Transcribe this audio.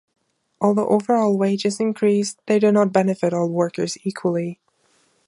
Although overall wages increased, they did not benefit all workers equally.